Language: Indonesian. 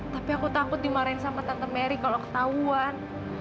tapi aku takut dimarahin sama tante mary kalau ketahuan